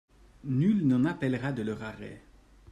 Nul n’en appellera de leur arrêt.